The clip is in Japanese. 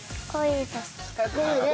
かっこいいよね。